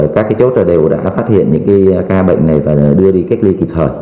các cái chốt đều đã phát hiện những cái ca bệnh này và đưa đi cách ly kịp thời